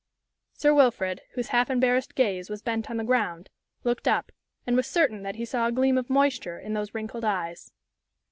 Sir Wilfrid, whose half embarrassed gaze was bent on the ground, looked up and was certain that he saw a gleam of moisture in those wrinkled eyes.